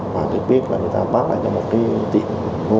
và được biết là người ta bác lại cho một cái tiệm mua bán xe máy cầu